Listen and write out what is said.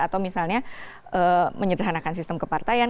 atau misalnya menyederhanakan sistem kepartaian